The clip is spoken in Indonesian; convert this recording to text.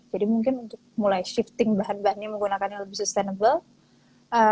jadi mungkin untuk mulai shifting bahan bahannya menggunakan yang lebih sustainable